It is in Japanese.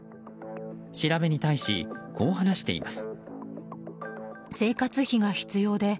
調べに対し、こう話しています。